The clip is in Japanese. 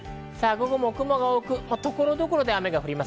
午後も雲が多く、所々で雨が降ります。